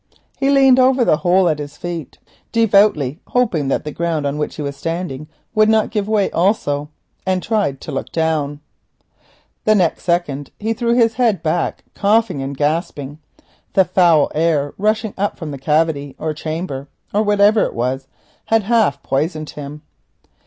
He leant over the hole at his feet, devoutly hoping that the ground on which he was standing would not give way also, and tried to look down. Next second he threw his head back coughing and gasping. The foul air rushing up from the cavity or chamber, or whatever it was, had half poisoned him.